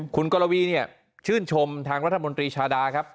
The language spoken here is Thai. คุณกรวีเนี่ยชื่นชมทางประโยชน์วันที่ชาดาครับ